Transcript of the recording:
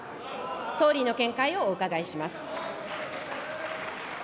総理の見解をお伺いします。